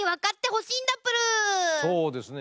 そうですね。